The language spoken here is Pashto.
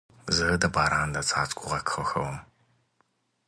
زه د باران د څاڅکو غږ خوښوم.